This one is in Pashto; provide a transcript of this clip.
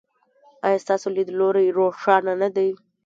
ایا ستاسو لید لوری روښانه نه دی؟